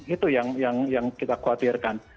itu yang kita khawatirkan